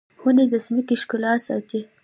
ونې د ځمکې ښکلا ساتي